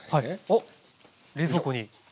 あっ冷蔵庫に。